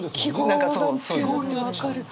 何かそう。